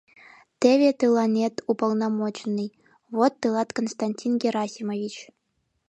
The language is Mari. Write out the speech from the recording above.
Теве тыланет уполномоченный, вот тылат Константин Герасимович!